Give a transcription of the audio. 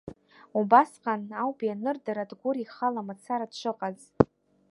Убасҟаноуп ианырдыр Адгәыр ихала мацара дшыҟаз.